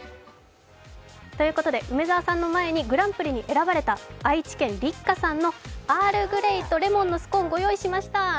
ということで梅澤さんの前に、グランプリに選ばれた愛知県Ｌｙｃｋａさんのアールグレイとレモンのスコーンご用意しました。